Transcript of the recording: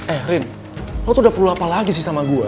eh rin lo tuh udah perlu apa lagi sih sama gue